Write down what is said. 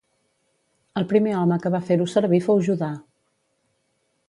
El primer home que va fer-ho servir fou Judà.